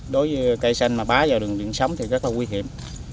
đối với cây xanh mà bám vào đường điện sống thì rất là nguy hiểm